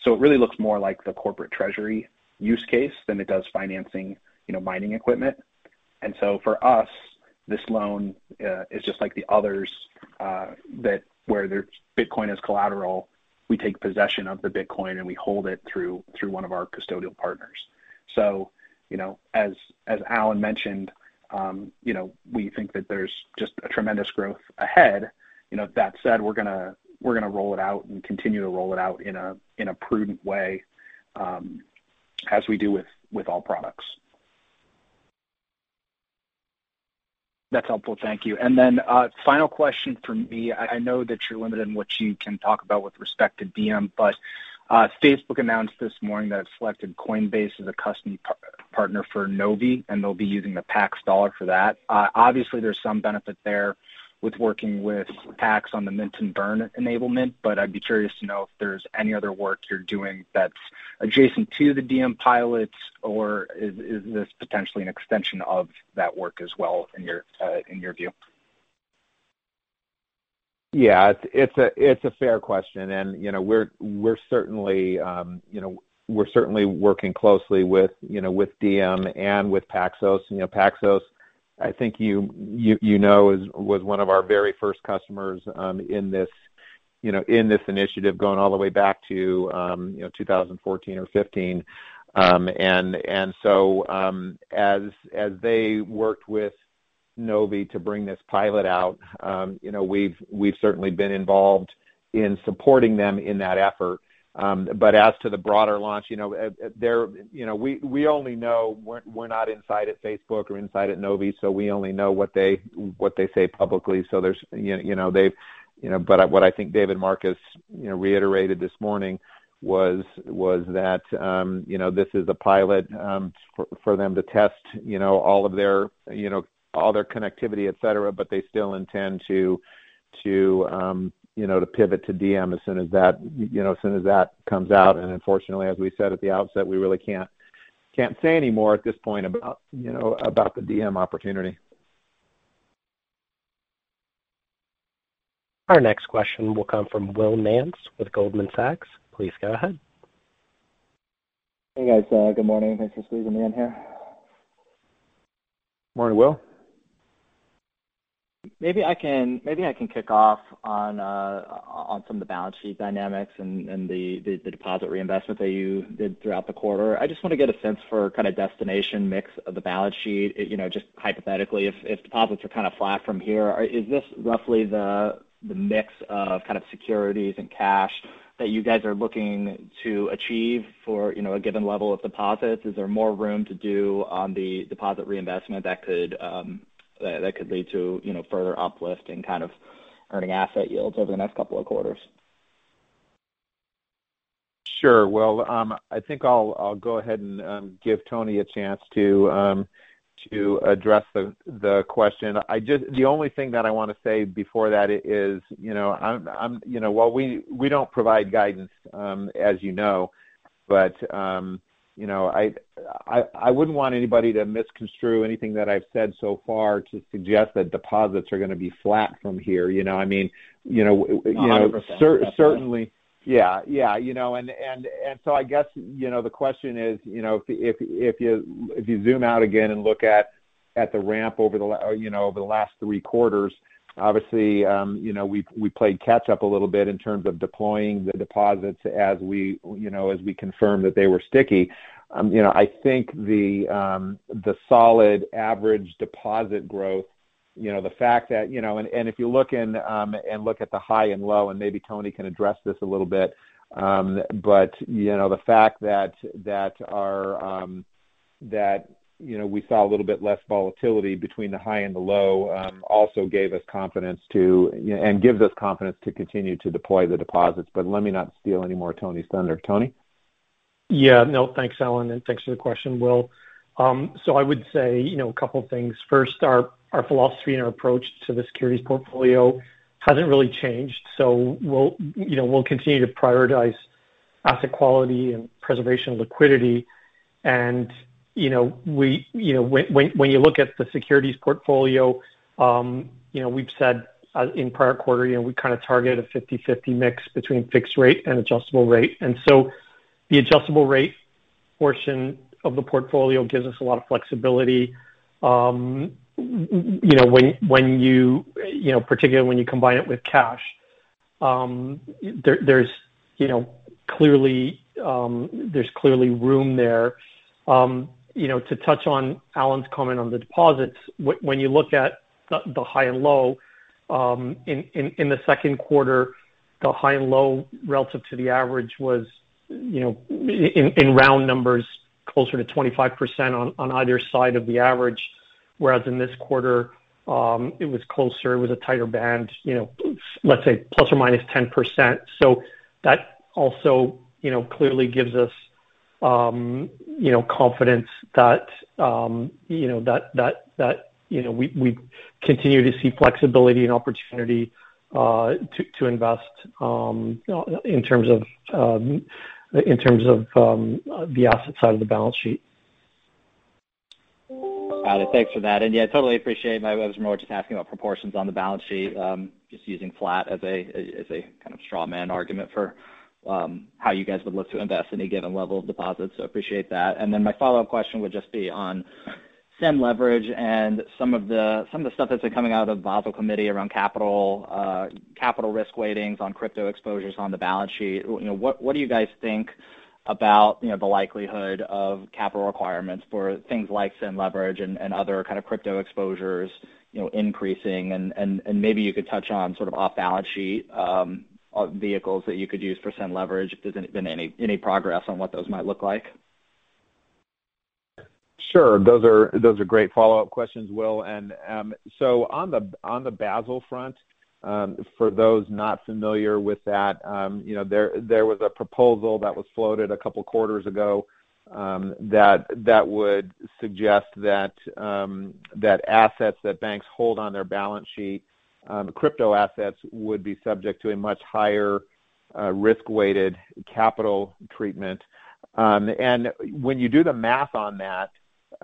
It really looks more like the corporate treasury use case than it does financing mining equipment. For us, this loan is just like the others, where their Bitcoin is collateral. We take possession of the Bitcoin, and we hold it through one of our custodial partners. As Alan mentioned, we think that there's just a tremendous growth ahead. That said, we're going to roll it out and continue to roll it out in a prudent way as we do with all products. That's helpful. Thank you. Final question from me. I know that you're limited in what you can talk about with respect to Diem, but Facebook announced this morning that it selected Coinbase as a custody partner for Novi, and they'll be using the Pax Dollar for that. Obviously, there's some benefit there with working with Pax on the mint and burn enablement, but I'd be curious to know if there's any other work you're doing that's adjacent to the Diem pilots, or is this potentially an extension of that work as well in your view? Yeah. It's a fair question. We're certainly working closely with Diem and with Paxos. Paxos, I think you know, was one of our very first customers in this initiative, going all the way back to 2014 or 2015. As they worked with Novi to bring this pilot out, we've certainly been involved in supporting them in that effort. As to the broader launch, we're not inside at Facebook or inside at Novi, so we only know what they say publicly. What I think David Marcus reiterated this morning was that this is a pilot for them to test all their connectivity, et cetera, but they still intend to pivot to Diem as soon as that comes out. Unfortunately, as we said at the outset, we really can't say any more at this point about the Diem opportunity. Our next question will come from Will Nance with Goldman Sachs. Please go ahead. Hey, guys. Good morning. Thanks for squeezing me in here. Morning, Will. Maybe I can kick off on some of the balance sheet dynamics and the deposit reinvestment that you did throughout the quarter. I just want to get a sense for kind of destination mix of the balance sheet. Just hypothetically, if deposits are kind of flat from here, is this roughly the mix of securities and cash that you guys are looking to achieve for a given level of deposits? Is there more room to do on the deposit reinvestment that could lead to further uplift and kind of earning asset yields over the next couple of quarters? Sure. Well, I think I'll go ahead and give Tony a chance to address the question. The only thing that I want to say before that is, while we don't provide guidance, as you know, but I wouldn't want anybody to misconstrue anything that I've said so far to suggest that deposits are going to be flat from here. You know what I mean? 100%. Certainly. Yeah. I guess the question is, if you zoom out again and look at the ramp over the last three quarters, obviously we played catch up a little bit in terms of deploying the deposits as we confirmed that they were sticky. I think the solid average deposit growth, and if you look at the high and low, and maybe Tony can address this a little bit, but the fact that we saw a little bit less volatility between the high and the low also gave us confidence to, and gives us confidence to continue to deploy the deposits. Let me not steal any more of Tony's thunder. Tony? Yeah. No, thanks, Alan, and thanks for the question, Will. I would say a couple of things. First, our philosophy and our approach to the securities portfolio hasn't really changed. We'll continue to prioritize asset quality and preservation of liquidity. When you look at the securities portfolio, we've said in prior quarter, we kind of target a 50/50 mix between fixed rate and adjustable rate. The adjustable rate portion of the portfolio gives us a lot of flexibility particularly when you combine it with cash. There's clearly room there. To touch on Alan's comment on the deposits, when you look at the high and low in the second quarter, the high and low relative to the average was, in round numbers, closer to 25% on either side of the average, whereas in this quarter, it was closer with a tighter band, let's say ±10%. That also clearly gives us confidence that we continue to see flexibility and opportunity to invest in terms of the asset side of the balance sheet. Got it. Thanks for that. Yeah, totally appreciate. My question was more just asking about proportions on the balance sheet, just using flat as a kind of straw man argument for how you guys would look to invest any given level of deposits. Appreciate that. Then my follow-up question would just be on SEN Leverage and some of the stuff that's been coming out of the Basel Committee around capital risk weightings on crypto exposures on the balance sheet. What do you guys think about the likelihood of capital requirements for things like SEN Leverage and other kind of crypto exposures increasing? Maybe you could touch on sort of off-balance sheet vehicles that you could use for SEN Leverage. Has there been any progress on what those might look like? Sure. Those are great follow-up questions, Will. On the Basel front, for those not familiar with that, there was a proposal that was floated a couple of quarters ago that would suggest that assets that banks hold on their balance sheet, crypto assets would be subject to a much higher risk-weighted capital treatment. When you do the math on that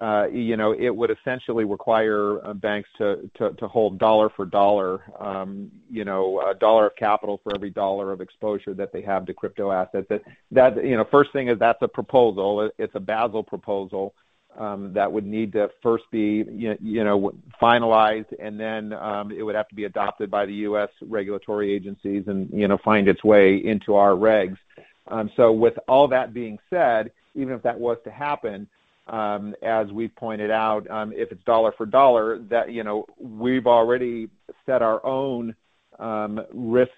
it would essentially require banks to hold dollar for dollar, $1 of capital for every dollar of exposure that they have to crypto assets. First thing is that's a proposal. It's a Basel proposal that would need to first be finalized, and then it would have to be adopted by the U.S. regulatory agencies and find its way into our regs. With all that being said, even if that was to happen, as we pointed out, if it's dollar for dollar, we've already set our own risk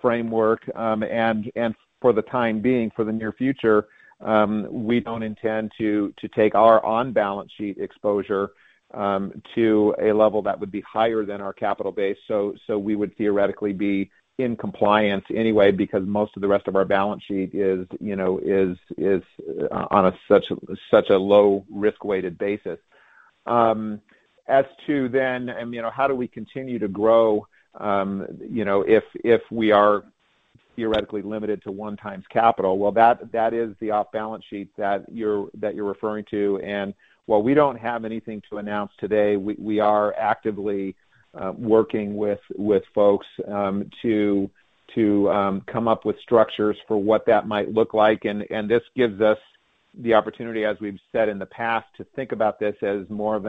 framework, and for the time being, for the near future, we don't intend to take our on-balance sheet exposure to a level that would be higher than our capital base. We would theoretically be in compliance anyway because most of the rest of our balance sheet is on such a low risk-weighted basis. As to how do we continue to grow if we are theoretically limited to 1 times capital? Well, that is the off-balance sheet that you're referring to. While we don't have anything to announce today, we are actively working with folks to come up with structures for what that might look like. This gives us the opportunity, as we've said in the past, to think about this as more of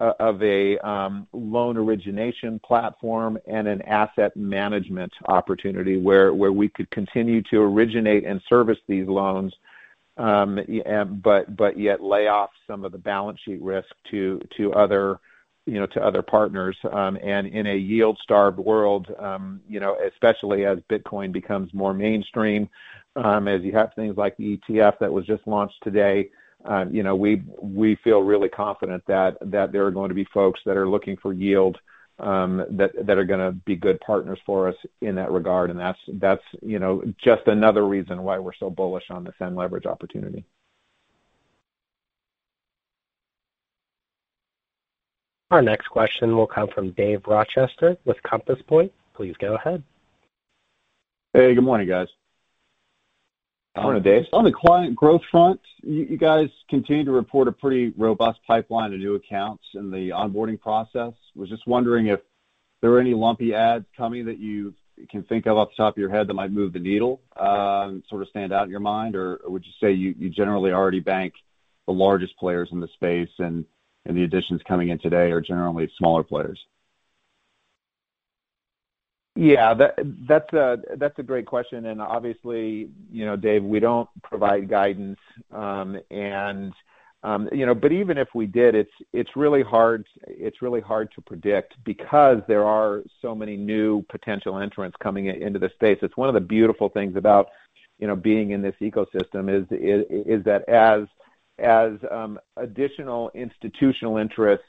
a loan origination platform and an asset management opportunity where we could continue to originate and service these loans but yet lay off some of the balance sheet risk to other partners. In a yield-starved world especially as Bitcoin becomes more mainstream, as you have things like the ETF that was just launched today, we feel really confident that there are going to be folks that are looking for yield that are going to be good partners for us in that regard. That's just another reason why we're so bullish on the SEN Leverage opportunity. Our next question will come from Dave Rochester with Compass Point. Please go ahead. Hey, good morning, guys. Morning, Dave. On the client growth front, you guys continue to report a pretty robust pipeline of new accounts in the onboarding process. Was just wondering if there are any lumpy adds coming that you can think of off the top of your head that might move the needle, sort of stand out in your mind or would you say you generally already bank the largest players in the space and the additions coming in today are generally smaller players? Yeah. That's a great question, obviously, Dave, we don't provide guidance. Even if we did, it's really hard to predict because there are so many new potential entrants coming into the space. It's one of the beautiful things about being in this ecosystem, is that as additional institutional interest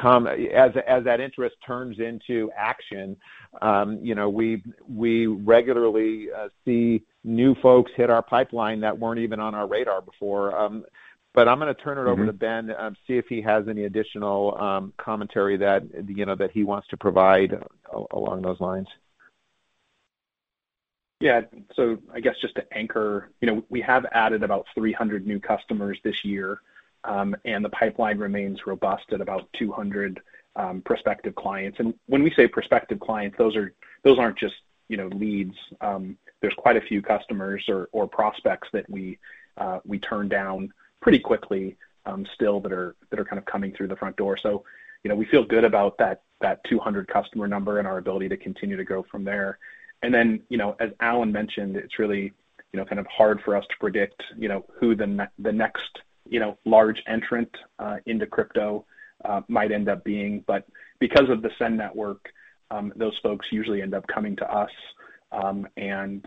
turns into action, we regularly see new folks hit our pipeline that weren't even on our radar before. I'm going to turn it over to Ben, see if he has any additional commentary that he wants to provide along those lines. Yeah. I guess just to anchor, we have added about 300 new customers this year, and the pipeline remains robust at about 200 prospective clients. When we say prospective clients, those aren't just leads. There's quite a few customers or prospects that we turn down pretty quickly still that are kind of coming through the front door. We feel good about that 200 customer number and our ability to continue to grow from there. As Alan mentioned, it's really kind of hard for us to predict who the next large entrant into crypto might end up being, but because of the SEN Network, those folks usually end up coming to us, and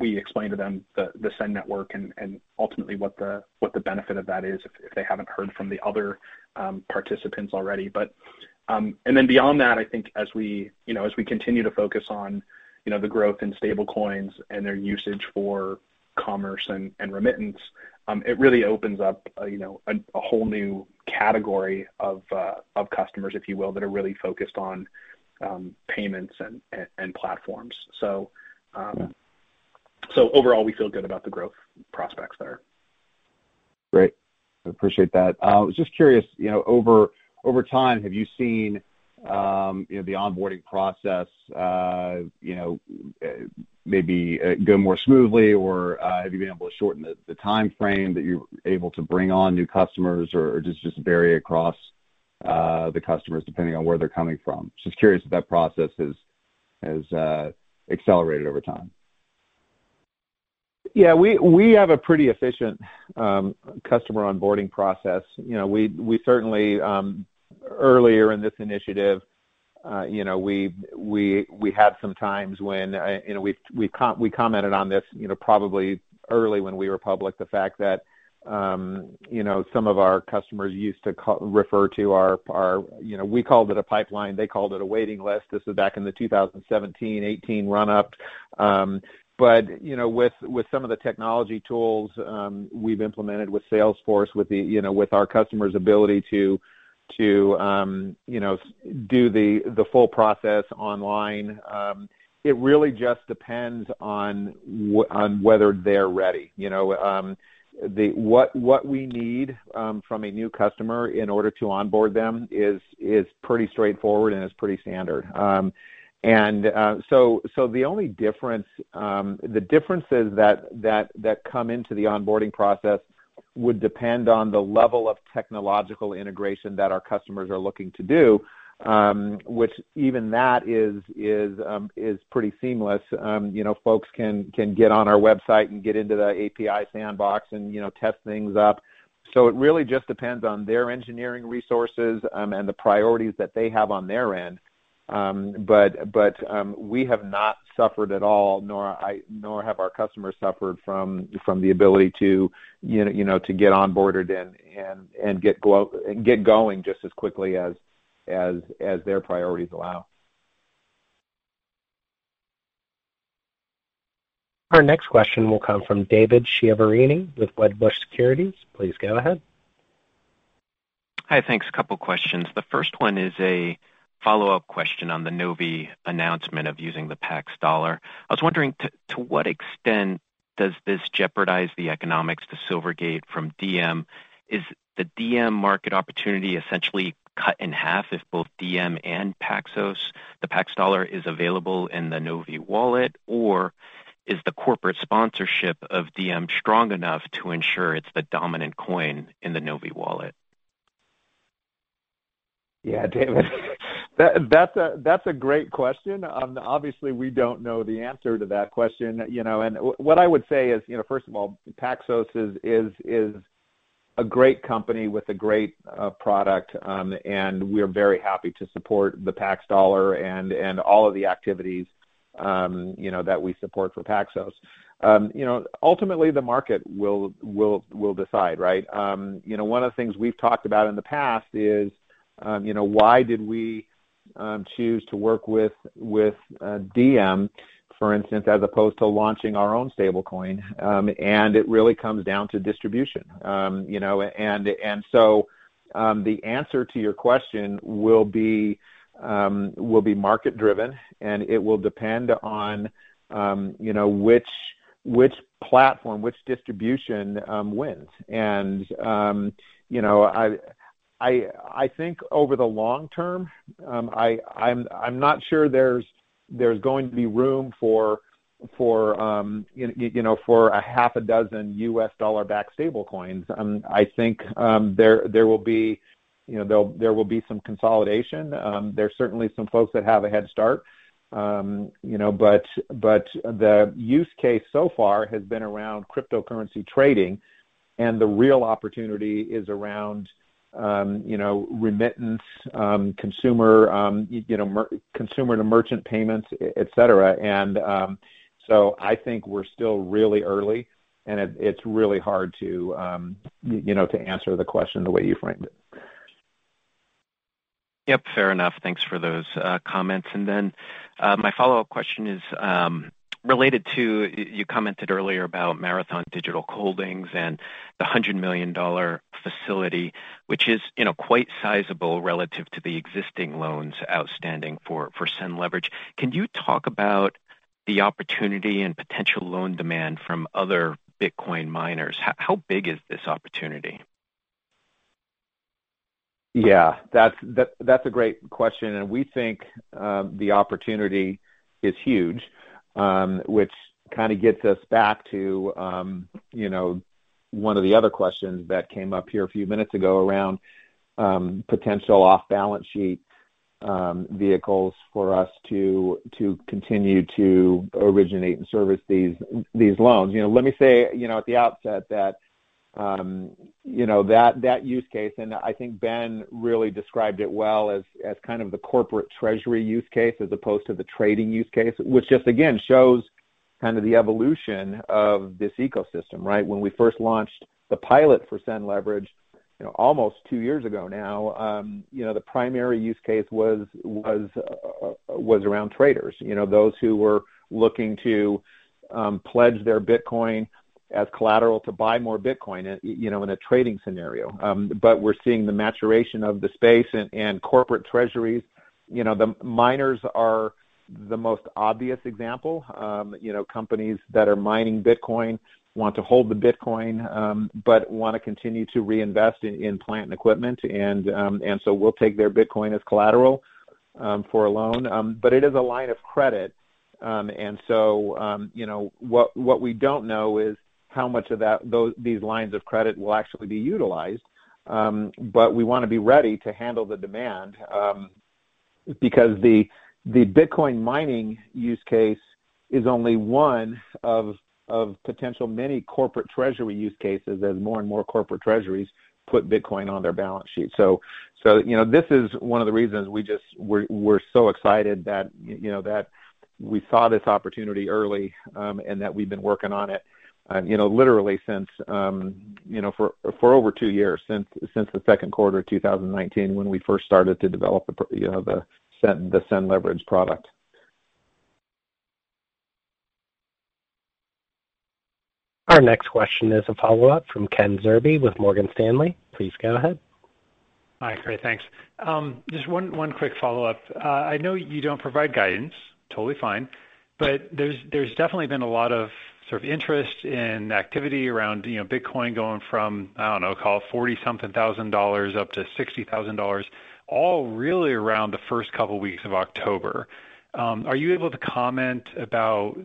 we explain to them the SEN Network and ultimately what the benefit of that is if they haven't heard from the other participants already. Beyond that, I think as we continue to focus on the growth in stablecoins and their usage for commerce and remittance, it really opens up a whole new category of customers, if you will, that are really focused on payments and platforms. Overall, we feel good about the growth prospects there. Great. I appreciate that. I was just curious, over time, have you seen the onboarding process maybe go more smoothly, or have you been able to shorten the timeframe that you're able to bring on new customers, or does it just vary across the customers depending on where they're coming from? Just curious if that process has accelerated over time. Yeah. We have a pretty efficient customer onboarding process. We certainly, earlier in this initiative, we had some times when we commented on this probably early when we were public, the fact that some of our customers used to refer to our, we called it a pipeline, they called it a waiting list. This was back in the 2017, 2018 run up. With some of the technology tools we've implemented with Salesforce, with our customers' ability to do the full process online, it really just depends on whether they're ready. What we need from a new customer in order to onboard them is pretty straightforward and is pretty standard. The only difference, the differences that come into the onboarding process would depend on the level of technological integration that our customers are looking to do, which even that is pretty seamless. Folks can get on our website and get into the API sandbox and test things up. It really just depends on their engineering resources, and the priorities that they have on their end. We have not suffered at all, nor have our customers suffered from the ability to get onboarded and get going just as quickly as their priorities allow. Our next question will come from David Chiaverini with Wedbush Securities. Please go ahead. Hi. Thanks. A couple questions. The first one is a follow-up question on the Novi announcement of using the Pax Dollar. I was wondering to what extent does this jeopardize the economics to Silvergate from Diem? Is the Diem market opportunity essentially cut in half if both Diem and Paxos, the Pax Dollar is available in the Novi wallet, or is the corporate sponsorship of Diem strong enough to ensure it's the dominant coin in the Novi wallet? Yeah, David, that's a great question. Obviously, we don't know the answer to that question. What I would say is, first of all, Paxos is a great company with a great product, and we're very happy to support the Pax Dollar and all of the activities that we support for Paxos. Ultimately, the market will decide, right? One of the things we've talked about in the past is why did we choose to work with Diem, for instance, as opposed to launching our own stablecoin. It really comes down to distribution. The answer to your question will be market-driven, and it will depend on which platform, which distribution wins. I think over the long term, I'm not sure there's going to be room for a half a dozen U.S. dollar-backed stablecoins. I think there will be some consolidation. There's certainly some folks that have a head start. The use case so far has been around cryptocurrency trading, and the real opportunity is around remittance, consumer to merchant payments, et cetera. I think we're still really early, and it's really hard to answer the question the way you framed it. Yep, fair enough. Thanks for those comments. My follow-up question is related to, you commented earlier about Marathon Digital Holdings and the $100 million facility, which is quite sizable relative to the existing loans outstanding for SEN Leverage. Can you talk about the opportunity and potential loan demand from other Bitcoin miners? How big is this opportunity? Yeah. That's a great question, and we think the opportunity is huge. That kind of gets us back to one of the other questions that came up here a few minutes ago around potential off-balance-sheet vehicles for us to continue to originate and service these loans. Let me say at the outset that that use case, and I think Ben really described it well as kind of the corporate treasury use case as opposed to the trading use case, which just again shows kind of the evolution of this ecosystem, right? When we first launched the pilot for SEN Leverage almost two years ago now, the primary use case was around traders. Those who were looking to pledge their Bitcoin as collateral to buy more Bitcoin in a trading scenario. We're seeing the maturation of the space and corporate treasuries. The miners are the most obvious example. Companies that are mining Bitcoin want to hold the Bitcoin, but want to continue to reinvest in plant and equipment. We'll take their Bitcoin as collateral for a loan. It is a line of credit, and so what we don't know is how much of these lines of credit will actually be utilized. We want to be ready to handle the demand, because the Bitcoin mining use case is only one of potential many corporate treasury use cases as more and more corporate treasuries put Bitcoin on their balance sheet. This is one of the reasons we're so excited that we saw this opportunity early and that we've been working on it literally for over two years, since the second quarter of 2019 when we first started to develop the SEN Leverage product. Our next question is a follow-up from Ken Zerbe with Morgan Stanley. Please go ahead. Hi. Great. Thanks. Just one quick follow-up. I know you don't provide guidance, totally fine. There's definitely been a lot of sort of interest in activity around Bitcoin going from, I don't know, call it $40-something thousand up to $60,000, all really around the first couple weeks of October. Are you able to comment about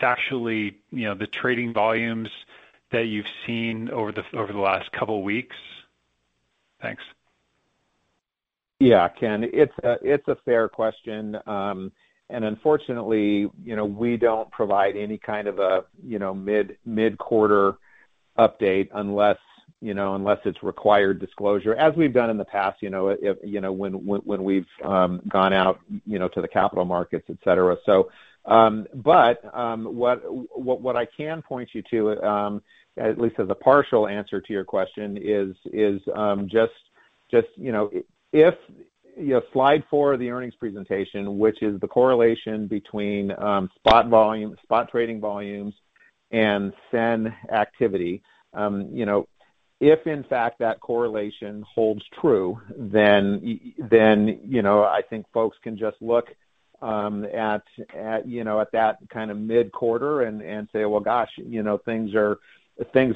factually the trading volumes that you've seen over the last couple weeks? Thanks. Yeah, Ken, it's a fair question. Unfortunately, we don't provide any kind of a mid-quarter update unless it's required disclosure, as we've done in the past when we've gone out to the capital markets, et cetera. What I can point you to, at least as a partial answer to your question, is just if slide four of the earnings presentation, which is the correlation between spot trading volumes and SEN activity. If in fact that correlation holds true, then I think folks can just look at that kind of mid-quarter and say, "Well, gosh, things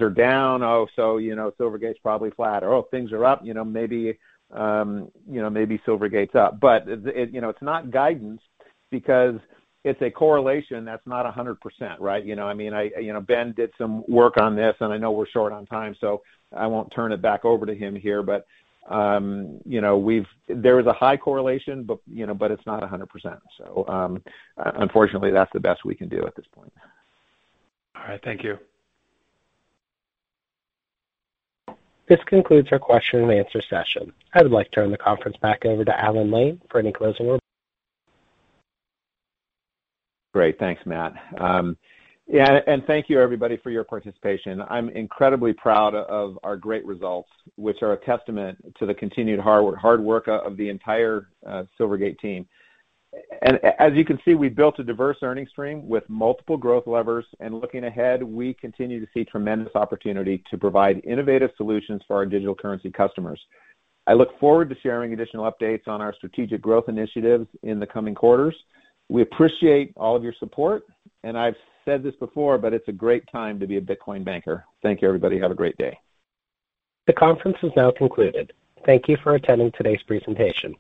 are down. Oh, Silvergate's probably flat." Oh, things are up, maybe Silvergate's up." It's not guidance because it's a correlation that's not 100%, right? Ben did some work on this, and I know we're short on time, so I won't turn it back over to him here. There is a high correlation, but it's not 100%. Unfortunately, that's the best we can do at this point. All right. Thank you. This concludes our question and answer session. I would like to turn the conference back over to Alan Lane for any closing remarks. Great. Thanks, Matt. Thank you everybody for your participation. I'm incredibly proud of our great results, which are a testament to the continued hard work of the entire Silvergate team. As you can see, we've built a diverse earnings stream with multiple growth levers, looking ahead, we continue to see tremendous opportunity to provide innovative solutions for our digital currency customers. I look forward to sharing additional updates on our strategic growth initiatives in the coming quarters. We appreciate all of your support, and I've said this before, but it's a great time to be a Bitcoin banker. Thank you, everybody. Have a great day. The conference is now concluded. Thank you for attending today's presentation.